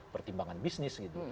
pertimbangan bisnis gitu